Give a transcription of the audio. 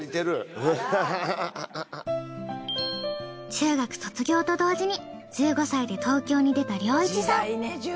中学卒業と同時に１５歳で東京に出た良一さん。